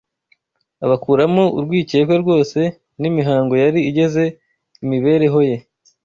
abukuramo urwikekwe rwose n’imihango yari igize imibereho ye